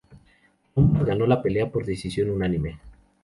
Lombard ganó la pelea por decisión unánime.